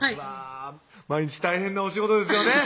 毎日大変なお仕事ですよね